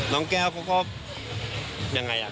น้องแก้วเขาก็ยังไง